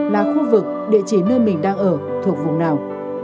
là khu vực địa chỉ nơi mình đang ở thuộc vùng nào